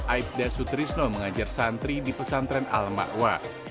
aibda sutrisno mengajar santri di pesantren al ma'wa